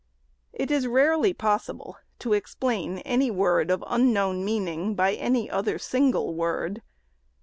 It is rarely possible to explain any word of unknown meaning by any other single word.